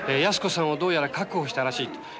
泰子さんをどうやら確保したらしいと。